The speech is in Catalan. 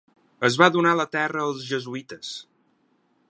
Es va donar la terra als Jesuïtes.